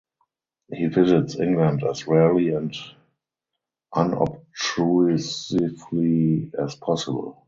He visits England as rarely and unobtrusively as possible.